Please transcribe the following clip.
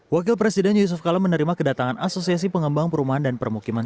wakil presiden yusuf kala menerima kedatangan asosiasi pengembang perumahan dan permukiman